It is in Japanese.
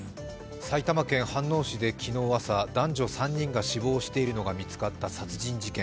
埼玉県飯能市で昨日朝、男女３人が死亡しているのが見つかった殺人事件。